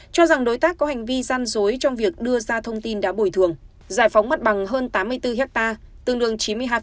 cho rằng đối tác có hành vi gian dối trong việc đưa ra thông tin đã bồi thường giải phóng mặt bằng hơn tám mươi bốn hectare tương đương chín mươi hai